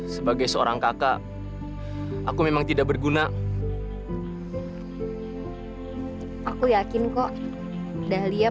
suatu saat nanti aku pasti akan mendapatkannya